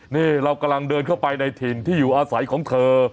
นี่เรากำลังเดินเข้าไปในถิ่นที่อยู่อาศัยของเธอ